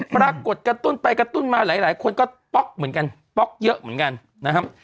กระตุ้นไปกระตุ้นมาหลายคนก็ป๊อกเหมือนกันป๊อกเยอะเหมือนกันนะครับ